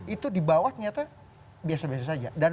itu di bawah ternyata biasa biasa saja